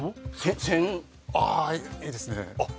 あーいいですね